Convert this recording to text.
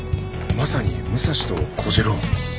まさに武蔵と小次郎。